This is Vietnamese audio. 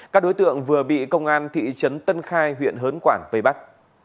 các đối tượng vừa bị công an thị trấn tân khai huyện hớn quản vây bắt